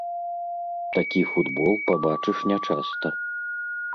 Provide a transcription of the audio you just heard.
Такі футбол пабачыш нячаста.